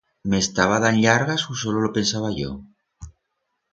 M'estaba dand llargas u solo lo pensaba yo?